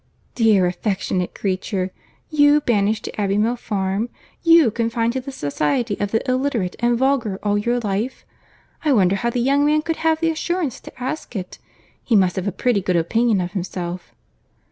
"Dear affectionate creature!—You banished to Abbey Mill Farm!—You confined to the society of the illiterate and vulgar all your life! I wonder how the young man could have the assurance to ask it. He must have a pretty good opinion of himself."